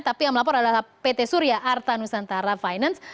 tapi yang melapor adalah pt surya arta nusantara finance